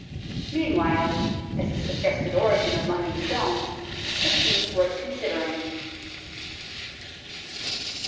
Meanwhile, as a suggested origin of London Stone it seems worth considering.